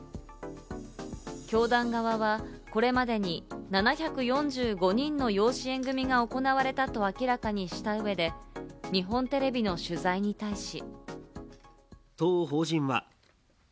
教団側はこれまでに７４５人の養子縁組が行われたと明らかにした上で、日本テレビの取材に対し。